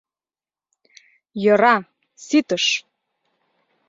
Йӧра, ситыш!